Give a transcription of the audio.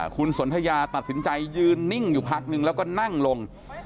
คุณสนทยาตัดสินใจยืนนิ่งอยู่พักนึงแล้วก็นั่งลง